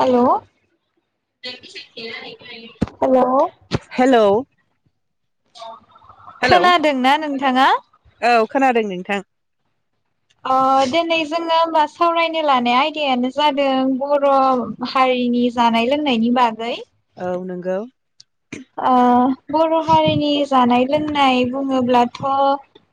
Hello hello hello hello खोनादोंना नोंथाङा? औ खोनादों नोंथां ओ दिनै जोङो सावरायनो लानाय आयदायानो जादों बर' हारिनि जानाय लोंनायनि बागै औ नोंगौ बर' हारिनि जानाय लोंनाय बुङोब्लाथ'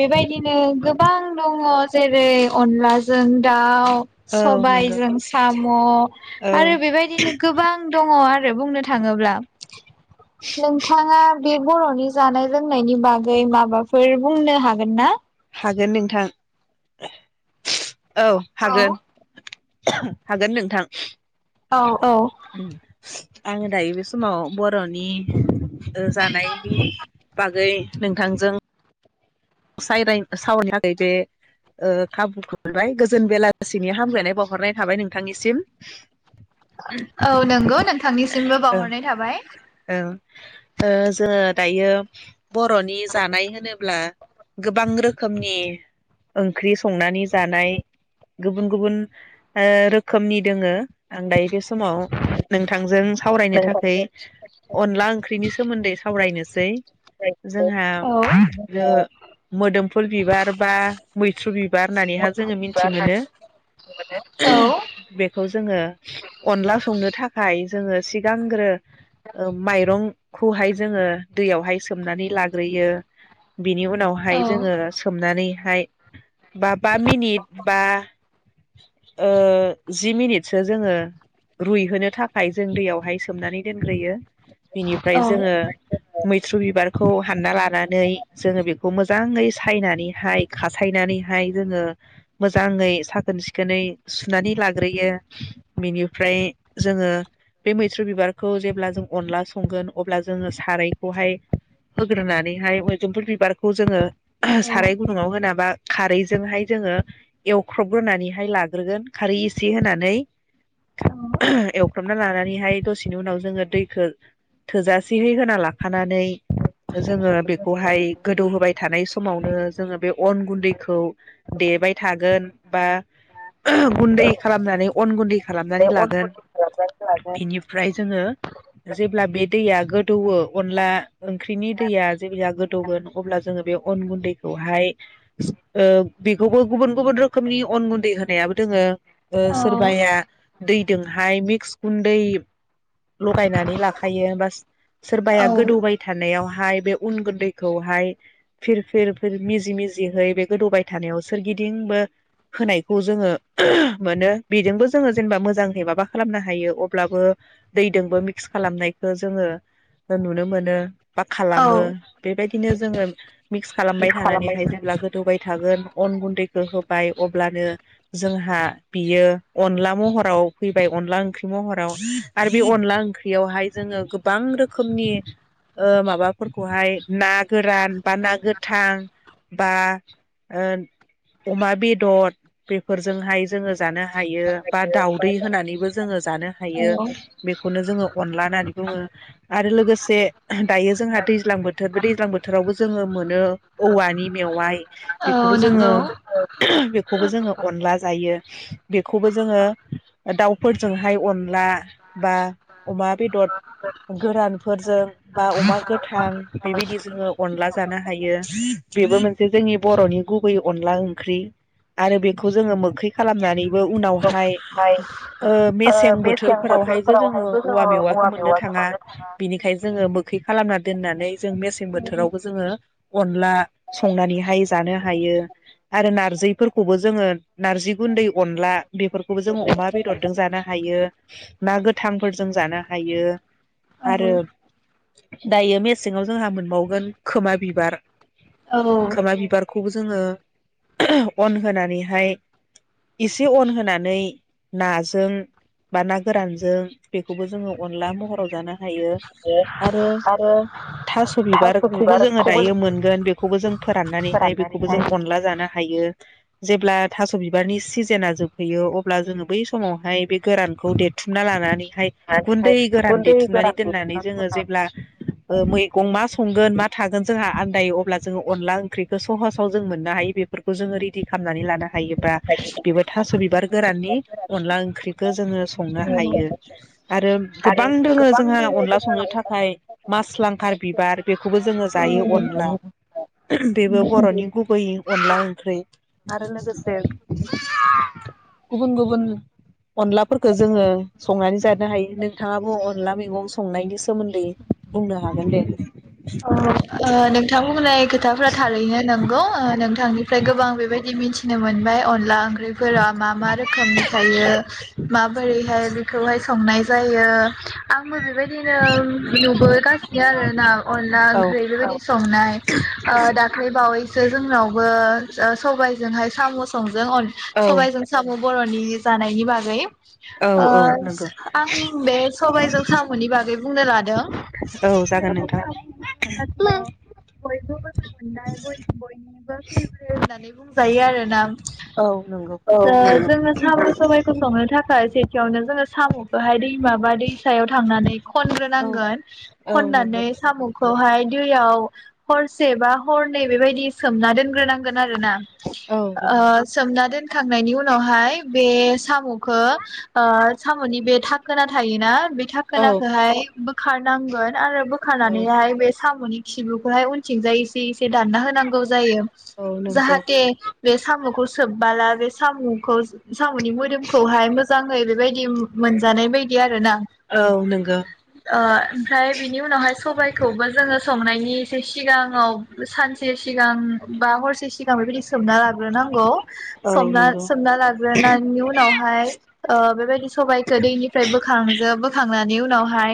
बेबायदिनो गोबां दङ। जेरै अनलाजों दाउ औ नंगौ सबायजों साम' औ आरो बेबायदिनो गोबां दङ आरो बुंनो थाङोब्ला। नोंथाङा बे बर'नि जानाय-लोंनायनि बागै माबाफोर बुंनो हागोन ना? हागोन नोंथां। औ हागोन हागोन नोंथां? औ औ उम आङो दायो बे समाव बर'नि ओ जानायनि बागै नोंथांजों सायराय सावरायनि बे ओ खाबुखौबाय गोजोन बेलासिनि हामग्लायनाय बावहरनाय थाबाय नोंथांनिसिम। औ नोंगौ नोंथांनिसिमबो ओ बावहरनाय थाबाय। ओ ओ जोङो दायो। बर'नि जानाय होनोब्ला गोबां रोखोमनि ओंख्रि संनानै जानाय गुबुन गुबुन ओ रोखोमनि दोङो आं दायो। बे समाव नोंथांजों सावरायनो थाखै अनला ओंख्रिनि सोमोन्दै सावरायनोसै। जोंहा औ ओ [unintelligible] मोदोमफुल बिबार बा मैथ्रु बिबार होननानैहा जोङो मिथि मोनो औ बेखौ जोङो अनला संनो थाखाय जोङो सिगांग्रो ओ माइरंखौहाय जोङो दैयावहाय सोमनानै लाग्रोयो। बिनि उना बहाय जोङो सोमनानै हाय बा बा मिनिट बा ओ जि मिनिटसो जोङो रुयहोनो थाखाय जों दैयावहाय सोमनानै दोनग्रोयो बिनिफ्राय जोङो मैथ्रु बिबारखौ हानना लानानै जोङो बे मोजै सायनानैहाय खासायनानैहाय जोङो मोजाङै साखोन-सिखोनै सुनानै लाग्रोयो बिनिफ्राय जोङो बे मैथ्रु बिबारखौ जेब्ला जों अनला संगोन अब्ला जोङो सारायखौहाय होग्रोनानैहाय मोदोमफुल बिबार खौ जोङो साराय गुदुंआव होना बा खारै जोंहाय जोङो एवख्रबग्रोनानैहाय लाग्रोगोन खारै एसे होनानै एवख्रबना लानानैहाय दसेनि उनाव जोङो दैखो थोजासेहै होना लाखानानै जोङो बेखौहाय गोदौ होबाय थानाय समावनो जोङो बे अन गुन्दैखौ देबाय थागोन बा गुन्दै खालामनानै अन गुन्दै खालामनानै लागोन बेनिफ्राय जोङो जेब्ला बे दैया गोदौवो अनला ओंख्रिनि दैया जेब्ला गोदौगोन जोङो बे अन गुन्दैखौहाय ओ बेखौबो गुबुन-गुबुन रोखोमनि अन गुन्दै होनायाबो दोङो ओ औ सोरबाया दैदोंहाय मिक्स गुन्दै लगायनानै लाखायो बास सोरबाया गोदौबाय थानायाव हाय बे उन गुन्दैखौहाय फिर फिर फिर मिजि मिजिहै बे गोदौबाय थानायाव सोरगिदिंबो होनायखौ जोङो मोनो बेजोंबो जोङो जेनेबा मोजांहै माबा खालामनो हायो अब्लाबो दैदोंबो मिक्स खालामनायखौ जोङो नुनो मोनो बा औ खालामो बेबायदिनो मिक्स खालामबाय थानानैहाय जेब्ला गोदौबाय थागोन अन गुनदैखौ होबाय अब्लानो जोंहा बियो अनला महराव फैबाय अनला ओंख्रि महराव आरो बे अनला ओंख्रियावहाय जोङो गोबां रोखोमनि ओ माबाफोरखौहाय ना गोरान बा ना गोथां बा ओ अमा बेदर बेफोरजोंहाय जोङो जानो हायो। बा दाउदै होनानैबो जोङो जानो हायो बेखौनो जोङो अनला होननानै बुङो आरो लोगोसे दायो जोंहा दैज्लां बोथोर बे दैज्लां बोथोर बोथोरावबो जोङो मोनो औवानि मेवाइ औ नंगौ खौबो जोङो अनला जायो बेखौबो जोङो दाउफोरजोंहाय अनला बा अमा बेदर गोरानफोरजों बा अमा गोथां बेबायदि जोङो अनला जानो हायो बेबो मोनसे जोंनि बर'नि गुबै अनला ओंख्रि आरो बेखौ जोङो मोखै खालामनानैबो उनाव हाय ओ मेसें बोथोरफोरावहाय जो जोङो औवा मेवाखौ मोननो थाङा बिनिखायनो जोङो मोखै खालामना दोननानै जों मेसें बोथ बोथोरावबो जोङो अनला संनानैहाय जानो हायो आरो नारजिफोरखौबो जोङो नार्जि गुन्दै अनला बेफोरखौबो जोङो अमा बेदरजों जानो हायो ना गोथांफोरजों जानो हायो आरो दायो मेसेङाव जोंहा मोनबाव गोन खोमा बिबार खोमा बिबारखौबो जोङो अन होनानैहाय इसे अन होनानै नाजों बा ना गोरानजों बेखौबो जोङो अनला महराव जानो हायो। ओ आरो थास' खौबो जोङो दायो मोनगोन बेखौबो जों फोराननानैहाय बेखौबो जों अनला जानो हायो जेब्ला थास' बिबारनि सिजोना जोबहैयो अब्ला जोङो बै समावहाय बे गोरानखौ देरथुमना लानानै हाय गुनदै गोरान देथुमनानै दोननानै जोङो जेब्ला ओ मैगं मा गोन मा थागोन जोंहा आनदायो अब्ला जोङो अनला ओंख्रिखौ सहसाव जों मोननो हायो बेफोरखौ जोङो रेदि खालामनानै लानो हायो। बा बेबो थास' बिबार गोराननि अनला ओंख्रिखो जोङो संनो हायो आरो गोबां दोङो जोंहा अनला संनो थाखाय मास लांखार बिबार बेखौबो जोङो जायो अनला। बेबो बर'नि गुबै अनला ओंख्रै आरो लोगोसे गुबुन गुबुन अनलाफोरखो जोङो संनानै जानो हायो नोंथाङाबो अनला मैगं संनायनि सोमोन्दै बुंनो हागोन दे। औ [inaudible] ओ नोंथां बुंनाय खोथाफ्रा थारैनो नंगौ नोंथांनिफ्राय गोबां बेबायदि मिथि थिनो मोनबाय अनला ओंख्रिफोरा मा मा रोखोमनि थायो माबोरैहाय बेखौ संनाय जायो आंबो बेबायदिनो नुबोगासिनो आरो ना अनला औ ओंख्रिखौ [unintelligible] संनाय ओ दाख्लै बावैसो जोंनावबो ओ सबायजोंहाय साम' सं जोंआन औ सबायजों सामु बर'नि जानायनि बागै औ ओ औ नंगौ आं बे सबायजों साम'नि बागै बुंनो लादों औ जागोन नोंथां बुङोब्लाथ' बयबो मोजां मोननाय बयनिबो फेब्रेट होननानै बुंजायो आरोना औ नंगौ जोङो साम' सबबायखौ संनो थाख सेथियावनो जोङो साम'खौहाय दै माबा दैसायाव थांनानै औ खनग्रोनांगोन औ नंगौ खननानै साम' खौहाय दैयाव हरसे बा हरनै बेबायदि सोमना दोनग्रोनांगोन आरो ना औ ओ नंगौ सोमना दोनखांनायनि उनावहाय बेस साम'खो साम'नि बे थाखोना थायोना बिथां औ खोनाखौहाय बोखारनांगोन आरो औ बोखारना बे साम'नि खिबुखौहाय उनथिंजायसेै दानना होनांगौ जायो औ नंगौ जाहाथे बे साम'खौ सोबबाला बे सामुखौ साम'नि मोदोमखौहाय मोजाङै बेबायदि मोनजानाय बायदि आर ना औ नंगौ ओमफ्राय बिनि उनावहाय गुआयखौबो जोंयो थंनायनि थे सिगाङाव सानस थे सिगां बा हरस थो सिगां बेबायदि सोमना लाग्रोनांग' औ समना नंगौ सोमना लाग्रोननि उनावहाय ओ बेबायदि सबायाइखौ दैनिफ्राय बोखांजो बोखांनायनि उनावहाय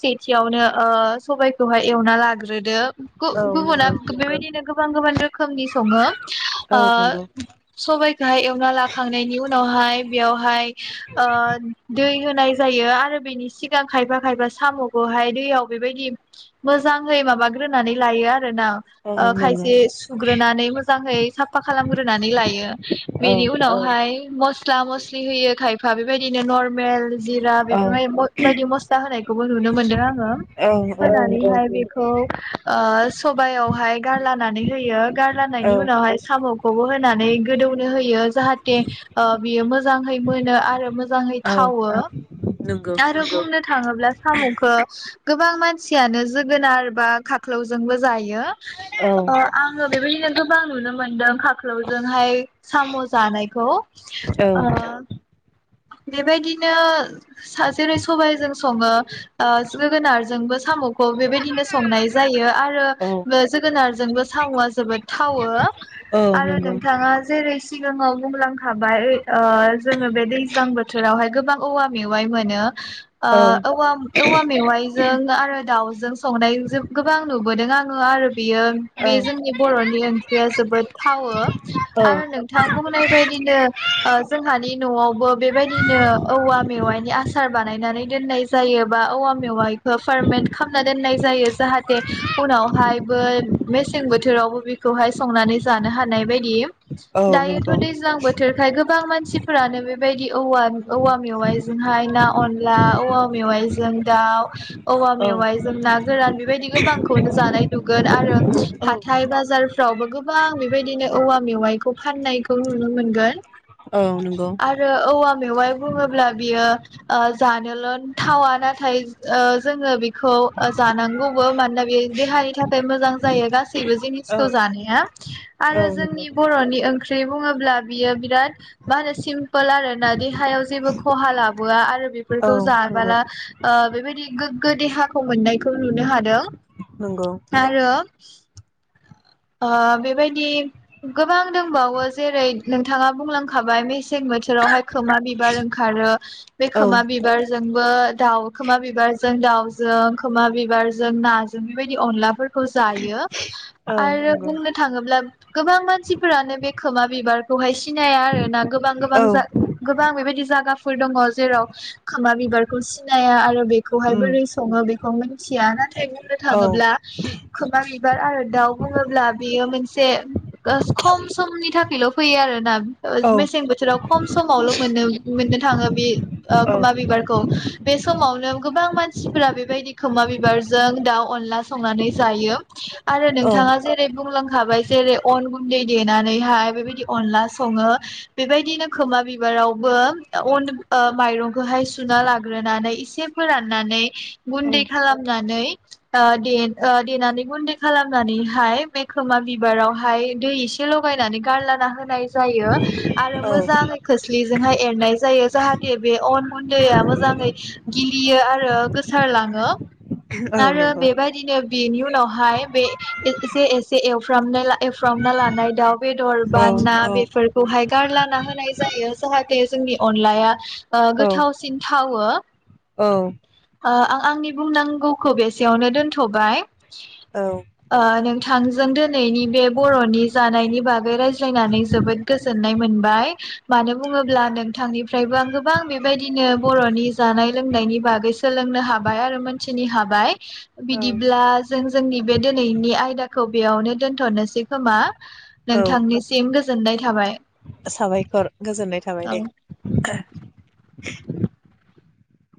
सेथियावनो ओ सबायाइखौहाय एवना लाग्रोदो गु औ गुबुना नंगौ बेबायदिनो गोब बांगो बानदो खोमनि संयो औ ओ नंगौ सबायखाय एवना लाखांनायनि उन उनावहाय बेवहाय आ दै होनाय जायो आर आरो बेनि सिगां खायफा खायफा साम'खौहाय दैयाव बेबायदि मोजांहै माबा [unintelligible] नानै लायो आरोना औ नंगौ खायसे सुग्रोनानै मोजै साफा खालामग्रोनानै लायो औ बेनि उनावहाय मस्ला मस्लि होयो खायफा बेबायदिनो नर मेल जिरा औ बेफोरबायम'इ बायदि मस्ला होनायखौबो नुनो मोनदों आङो औ नंगौ औ नंगौ फोनानैहाय बेखौ आ सबयावहाय गारलानानै होयो गारलानायनि औ उनावहाय साम' खौबो होनानै गोदौनो होयो जाहाथे ओ बियो मोजाहै मोनो आरो मोज मोजाङै औ थावो नंगौ आरो बुंनो थाङोब्ला साम'खो गोबां मान सियानो जोगोनार बा खाख्लौजोंबो जायो यो औ ओ आङो बेबायदिनो गोबां नुनो मो मोनदों खाख्लावजोंहाय साम' जानायखौ औ ओ बेबायदिनो सा जेरै सबायाइजों सङो ओ जोगोनारजोंबो साम'खौ बेबायदिनो संनाय जायो आरो औ जोगोनारजोंबो साम'आ जोबोद थावो औ आरो नंगौ नोंथाङा जेरै सिगाङाव बुंलांखाबाय ओ जोङो बे दै गां बोथोरावहाय गोबां औवा मेवाइ मोनो ओ औ औवा औवा मेवाइजों आरो दाउज जों संनाय ज गोबां नुबोदों आङो आरो बियो बे जोंनि बर'नि ओंख्रिया जोबोद थावो औ आरो नोंथां बुंनाय बायदिनो ओ जोंहानि न'आवबो बेबायदिनो औवा मेवाइनि आसार बानाय नानै दोननाय जायो बा औवा मेवाइखौ फारमेद खामना दोननाय जायो जाहाथे उनावहायबो मेसें बोथोरावबो बि खौहाय संनानै जानो हानाय बायदि औ नंगौ दायोथ' दैज्लां बोथोरखाय गोबां मानसिफोरानो बे बायदि औवा औवा मेवाइजोंहाय ना अनला औवा मेवाइजों दाउ औवा औ मेवाइजों ना गोरान बेबायदि गोबांखौनो जानाय नुगोन आरो हाथाय बाजारफ्रावबो गोबां बेबायदिनो औवा मेवाइखौ फाननायखौ नुनो मोनगोन। आरो औवा मेवाइ बुङोब्ला बियो ओ जानोल' थावा नाथाय ओ जोङो बेखौ ओ जानांगौबो मानोना बेयो देहानि थाखाय मोजां। जायो गास सैबो जिनिसखौ जानाया औ नंगौ आरो औ नंगौ जोंनि बर'नि ओंख्रि बुङो अब्ला बियो बिराद मा होनो सिम फोल आरोना देहायाव जेबो खहा लाबोआ आरो। बेफोरखौ जाबोला ओ बेबायदि गो गोगो देहाखौ मोननायखौ नुनो हादों। नंगौ आरो ओ बेबायदि गोबां दंबावो जेरै नोंथाङा बुंलांखाबाय मेसें बोथोरावहाय खोमा बिबार ओंखारो बे औ खोमा बिबारजोंबो दाउ खोमा बिबारजों दाउजों खोमा बिबारजों नाजों बेबायदि अनलाफोर खौ जायो। औ आरो नंगौ बुंनो थाङोब्ला गोबां मानसिफोरानो बे खोमा बिबारखौहाय सिनाया आरो ना गोबां गोबां जा औ गोबां बेबायदि जा दङ जेराव खोमा बिबारखौ सिनाया आरो बेखौहाय उम बोरै सङो बेखौ मि थिया ना थाय बुंनो औ थाङोब्ला खोमा बिबार आरो दाउ दा बेयो मोनसे खम समनि थाखाय ल' फैयो आरोना ओ औ मेसें बोथोराव खम समावल' मोनो मोननो थाङो बे ओ औ खोमा बिबारखौ बे समावनो गोबां मानसि मानसिफोरा बेबायदि खोमा बिबारजों दाउ अनला संनानै जायो आरो औ नोंथांङा जेरै बुंलां हाबाय जेरै अन गुन्दै देनानैहाय बेबायदि अनला सङो बेबायदिनो खोमा बिबारावबो अन ओ माइरंखौहाय सुना लाग्रोनानै इसे फोराननानै गुन्दै खालामनानै ओ दे-देनानै गुन्दै खालाम नानैहाय बे खोमा बिबारावहाय दै एसे लगायनानै गारलाना होनाय जायो । आरो मोजाङै खोस्लि जोंहाय एरनाय जायो जाहाथे बे अन गुन्दैआ मोजाङै गिलियो आरो गोसारलाङो औ आरो नंगौ बेबायदिनो बेनि उनाव हाय बे एसे एसे एवफ्रामना एवफ्रामना लानाय दाउ बेदर औ बा ना औ बेफोरखौहाय गारला ना होनाय जायो जाहाथे जोंनि अनलाया गोथावसिन थावो औ ओ‌ आं आंनि बुंनांगौखौ बेसेयावनो दोनथ'बाय । औ ओ नोंथांजों दिनैनि बे बर'नि जानायनि बागै रायज्लायनानै जोबोद गोजोननाय मोनबाय । मानो बुङोब्ला नोंथांनिफ्रायबो आं गोबां बेबायदिनो बर'नि जानाय लोंनायनि बागै सोलोंनो हाबाय आरो मोनथिनो हाबाय बिदिब्ला जों जोंनि बे दोनैनि आयदाखौ बेयावनो दोनथ'नोसै खोमा? औ नोंथांनिसिम गोसो गोजोननाय थाबाय । साबायखर गोजोननाय थाबाय दे ।